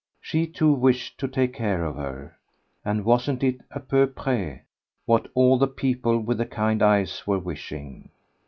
She too wished to take care of her and wasn't it, a peu pres, what all the people with the kind eyes were wishing?